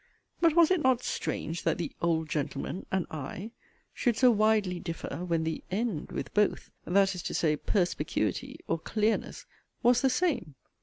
But was it not strange, that the 'old gentleman' and 'I' should so widely differ, when the 'end' with 'both' (that is to say, 'perspicuity' or 'clearness,') was the same?